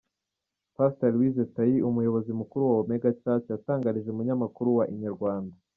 Pastor Liliose Tayi umuyobozi mukuru wa Omega Church yatangarije umunyamakuru wa Inyarwanda.